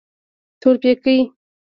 تورپيکۍ.